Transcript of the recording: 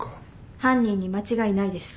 犯人に間違いないです。